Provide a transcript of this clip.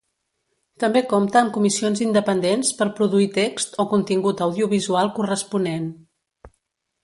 També compta amb comissions independents per produir text o contingut audiovisual corresponent.